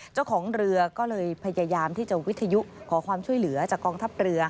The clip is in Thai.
เจ้าของเรือก็เลยพยายามที่จะวิทยุขอความช่วยเหลือจากกองทัพเรือ